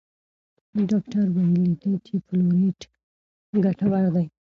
ډاکټر ویلي دي چې فلورایډ ګټور دی.